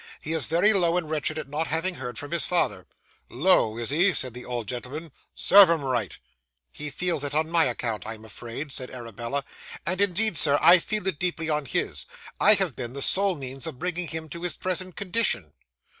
He is very low and wretched at not having heard from his father.' 'Low, is he?' said the old gentlemen. 'Serve him right!' 'He feels it on my account, I am afraid,' said Arabella; 'and indeed, Sir, I feel it deeply on his. I have been the sole means of bringing him to his present condition.